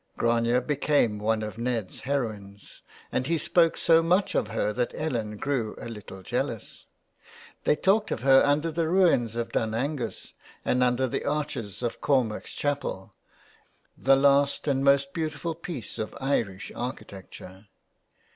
Grania became one of Ned's heroines, and he spoke so much of her that Ellen grew a little jealous. They talked of her under the ruins of Dun Angus and under the arches of Cormac's Chapel, the last and most beautiful piece of Irish architecture.